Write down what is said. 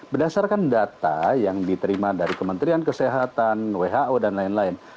berdasarkan data yang diterima dari kementerian kesehatan who dan lain lain